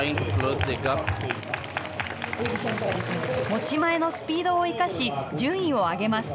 持ち前のスピードを生かし順位を上げます。